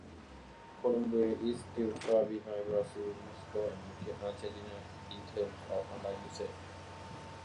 Colombia is still far behind Brazil, Mexico, and Argentina in terms of online usage.